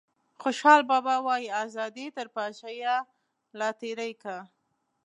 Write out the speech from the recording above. خوشحال بابا وايي ازادي تر پاچاهیه لا تیری کا.